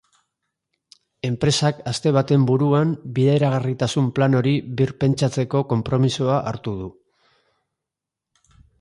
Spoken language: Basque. Enpresak aste baten buruan bideragarritasun plan hori birpentsatzeko konpromisoa hartu du.